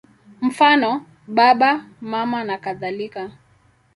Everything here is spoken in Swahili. Mfano: Baba, Mama nakadhalika.